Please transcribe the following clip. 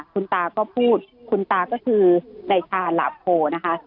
คุณตาก็พูดคุณตาก็คือนายชาญหลาโพนะคะ